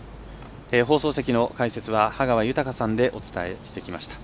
放送席の解説は羽川豊さんでお伝えしてきました。